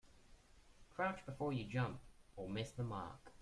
Crouch before you jump or miss the mark.